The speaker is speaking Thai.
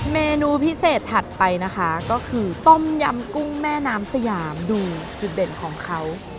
เมนูพิเศษถัดไปนะคะก็คือต้มยำกุ้งแม่น้ำสยามดูจุดเด่นของเขา